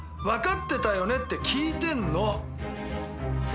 「分かってたよね？」って聞いてんの。